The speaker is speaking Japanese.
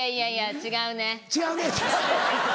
「違うね‼」。